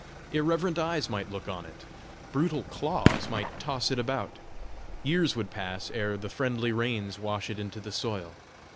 Irreverent eyes might look on it! Brutal claws might toss it about! Years would pass ere the friendly rains washed it into the soil!